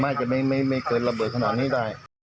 อาจจะไม่เกิดระเบิดขนาดนี้ได้